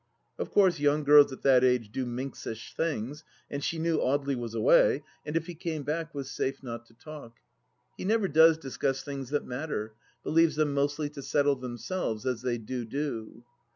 Of course young girls at that age do minxish things, and she knew Audely was away, and if he came back was safe not to talk. He never does discuss things that matter, but leaves them mostly to settle themselves, as they do do.